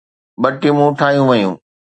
ٻه ٽيمون ٺاهيون ويون